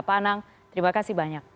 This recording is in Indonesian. pak anang terima kasih banyak